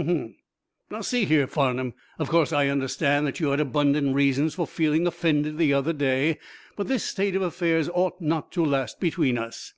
"Ahem! Now, see here, Farnum, of course I understand that you had abundant reasons for feeling offended the other day. But this state of affairs ought not to last between us.